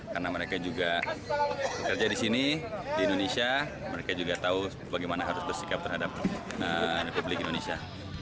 karena mereka juga bekerja di sini di indonesia mereka juga tahu bagaimana harus bersikap terhadap republik indonesia